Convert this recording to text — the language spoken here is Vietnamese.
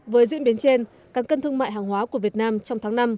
với diễn biến trên căn cân thương mại hàng hóa của việt nam trong tháng năm